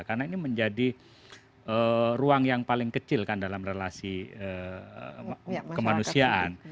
karena ini menjadi ruang yang paling kecil kan dalam relasi kemanusiaan